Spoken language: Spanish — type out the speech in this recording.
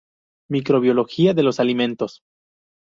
Microbiología de los alimentos.